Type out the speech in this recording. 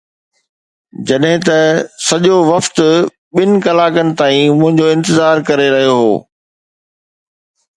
جڏهن ته سڄو وفد ٻن ڪلاڪن تائين منهنجو انتظار ڪري رهيو هو